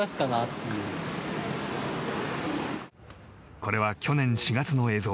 これは去年４月の映像。